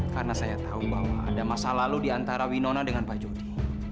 karena saya tahu bahwa ada masa lalu diantara winona dengan pak jody